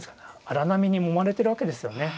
荒波にもまれてるわけですよね。